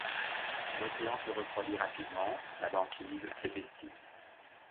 L'océan se refroidit rapidement, la banquise s’épaissit.